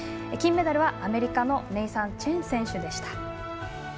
金メダルはアメリカのネイサン・チェン選手でした。